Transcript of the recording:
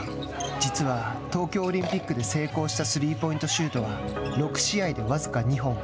実は東京オリンピックで成功したスリーポイントシュートは６試合で僅か２本。